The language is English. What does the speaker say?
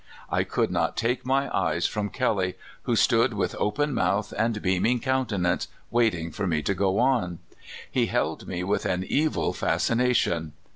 I could not take my eyes from Kelley, who stood with open mouth and beaming countenance, waiting for me to go on. He held me with an evil fascination.